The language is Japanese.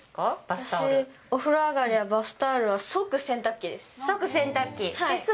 私、お風呂上りはバスタオルは即洗濯機です。